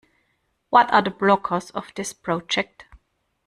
What are the blockers of this project?